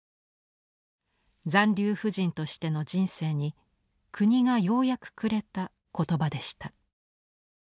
残留婦人としての人生に国がようやくくれた言葉でした。